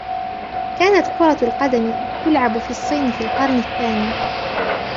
كانت كرة القدم تُلعَبُ في الصين في القرن الثاني.